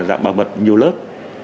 dạng bảo vật nhiều lớp